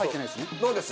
どうです？